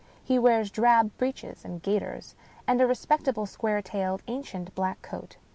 He wears drab breeches and gaiters, and a respectable square tailed an cient black coat.